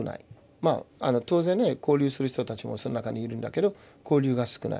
当然ね交流する人たちもその中にいるんだけど交流が少ない。